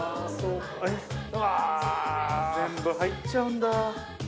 全部入っちゃうんだ。